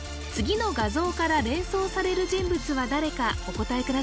次の画像から連想される人物は誰かお答え